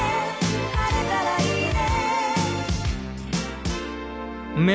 「晴れたらいいね」